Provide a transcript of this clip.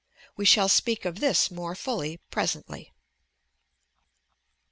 We shall speak of this more fully presently.